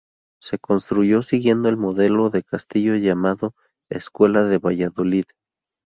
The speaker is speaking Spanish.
Se construyó siguiendo el modelo de castillo llamado "escuela de Valladolid".